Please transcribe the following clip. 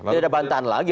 jadi ada bantahan lagi